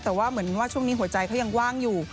แต่ว่าเหมือนว่าช่วงนี้หัวใจเขายังว่างอยู่